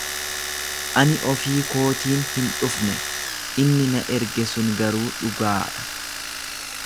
Ani ofii kootiin hin dhufne, inni na erge sun garuu dhugaa dha.